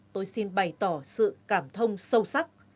tôi xin bày tỏ sự cảm thông sâu sắc